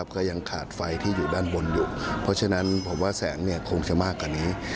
ก็ยังขาดไฟที่อยู่ด้านบนอยู่เพราะฉะนั้นผมว่าแสงคงจะมากกว่านี้